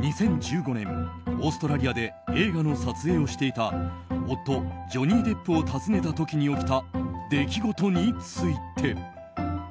２０１５年、オーストラリアで映画の撮影をしていた夫ジョニー・デップを訪ねた時に起きた出来事について。